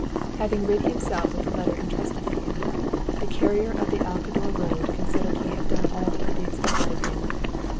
Having rid himself of the letter entrusted to him, the carrier of the Alcador road considered he had done all that could be expected of him.